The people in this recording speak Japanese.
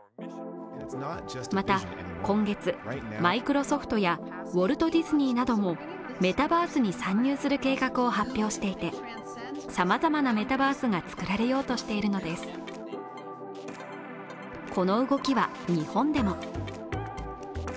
また今月、マイクロソフトやウォルト・ディズニーなどもメタバースに参入する計画を発表していて様々なメタバースが作られようとしているのです。